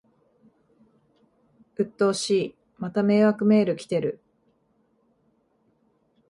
うっとうしい、また迷惑メール来てる